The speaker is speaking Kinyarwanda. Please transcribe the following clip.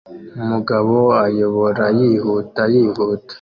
Umugabo ayoborayihuta yihuta